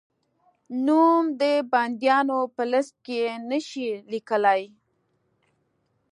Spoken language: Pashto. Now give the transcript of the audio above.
نوم د بندیانو په لېسټ کې نه شې لیکلای؟